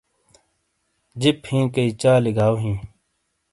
جِپ ہِیں کیئی چالی گاٶ ہِیں